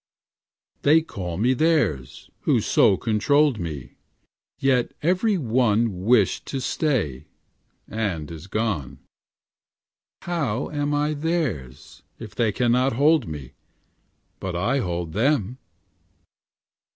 'They called me theirs, Who so controlled me; Yet every one Wished to stay, and is gone, How am I theirs, If they cannot hold me, But I hold them?'